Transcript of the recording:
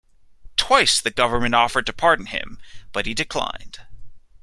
Twice the government offered to pardon him, but he declined.